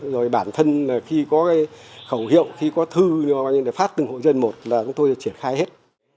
rồi bản thân là khi có khẩu hiệu khi có thư phát từng hộ dân một là chúng tôi sẽ triển khai hết